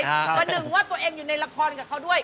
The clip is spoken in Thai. ประหนึ่งว่าตัวเองอยู่ในละครกับเขาด้วย